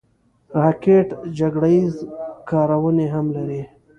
راکټ جګړه ییز کارونې هم لري